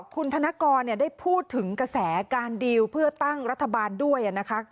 คุณธนกรได้พูดถึงกระแสการดีลเพื่อตั้งรัฐบาลด้วยนะคะ